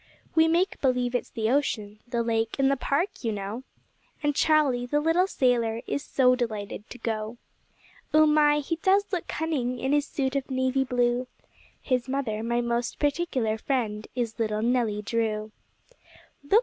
We make believe it's the ocean, the lake in the Park, you know; And Charlie, the little sailor, is so delighted to go. Oh, my! he does look cunning in his suit of navy blue. His mother, my most particular friend, is little Nelly Drew. Look!